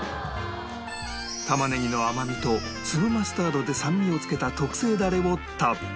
玉ねぎの甘みと粒マスタードで酸味をつけた特製ダレをたっぷりと